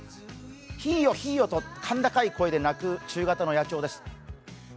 ひーよひーよと甲高い声でなく中型の野鳥です。